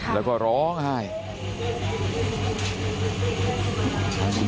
แล้วก็ร้องไห้